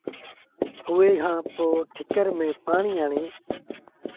اُئي کآݩ پوء ٺِڪر ميݩ پآڻيٚ هڻي